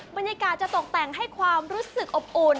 บรรยากาศจะตกแต่งให้ความรู้สึกอบอุ่น